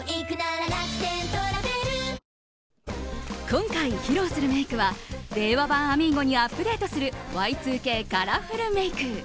今回、披露するメイクは令和版あみーゴにアップデートするＹ２Ｋカラフルメイク。